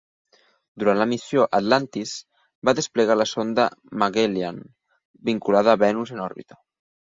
Durant la missió, "Atlantis" va desplegar la sonda "Magellan" vinculada a Venus en òrbita.